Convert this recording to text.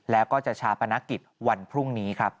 แล้วก็จะชาปนกิจวันพรุ่งนี้ครับ